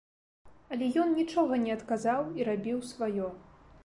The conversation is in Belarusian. Але ён нічога не адказаў і рабіў сваё.